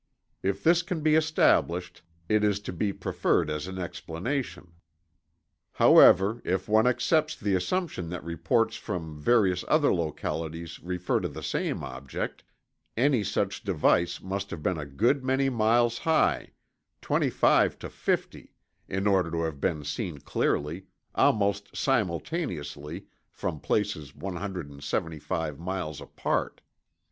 If this can be established, it Is to be preferred as an explanation. However, if one accepts the assumption that reports from various other localities refer to the same object, any such device must have been a good many miles high—25 to 50—in order to have been seen clearly, almost simultaneously, from places 175 miles apart.